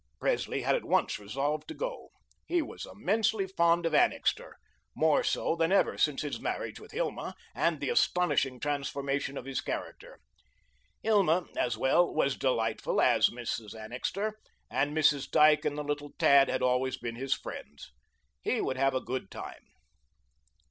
Presley had at once resolved to go. He was immensely fond of Annixter more so than ever since his marriage with Hilma and the astonishing transformation of his character. Hilma, as well, was delightful as Mrs. Annixter; and Mrs. Dyke and the little tad had always been his friends. He would have a good time.